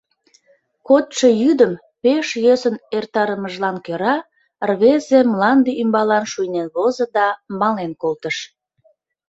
Кодшо йӱдым пеш йӧсын эртарымыжлан кӧра рвезе мланде ӱмбалан шуйнен возо да мален колтыш.